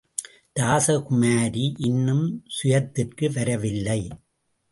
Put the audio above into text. ராசகுமாரி இன்னும் சுயத்திற்கு வரவில்லை.